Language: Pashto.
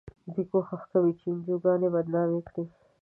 دوی کوښښ کوي چې انجوګانې بدنامې کړي.